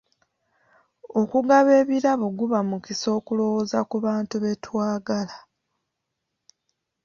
Okugaba ebirabo guba mukisa okulowooza ku bantu betwagala.